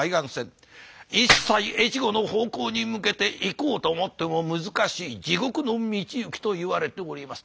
一切越後の方向に向けて行こうと思っても難しい地獄の道行きといわれております。